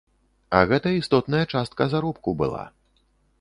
А гэта істотная частка заробку была.